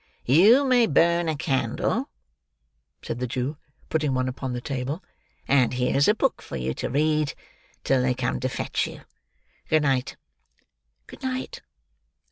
"You may burn a candle," said the Jew, putting one upon the table. "And here's a book for you to read, till they come to fetch you. Good night!" "Good night!"